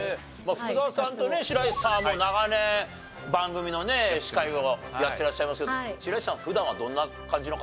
福澤さんとね白石さんはもう長年番組の司会をやってらっしゃいますけど白石さんは普段はどんな感じの方なんですか？